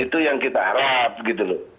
itu yang kita harap gitu loh